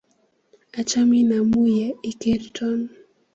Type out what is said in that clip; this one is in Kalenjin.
Achamin amun ye ikerton.